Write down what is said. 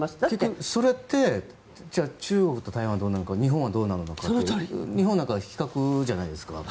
結局、それって中国、台湾はどうなのか日本はどうなのか日本なんかは非核じゃないですか